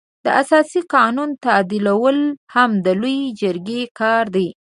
د اساسي قانون تعدیلول هم د لويې جرګې کار دی.